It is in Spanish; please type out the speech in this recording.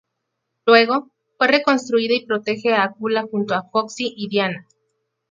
Luego, fue reconstruida y protege a Kula junto a Foxy y Diana.